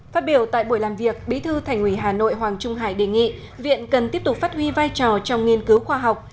phát biểu tại buổi làm việc bí thư thành ủy hà nội hoàng trung hải đề nghị viện cần tiếp tục phát huy vai trò trong nghiên cứu khoa học